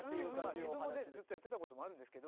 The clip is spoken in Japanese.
自分もずっとやってたこともあるんですけど。